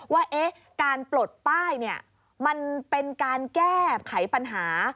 ว่าการปลดป้ายมันเป็นการแก้ไขปัญหา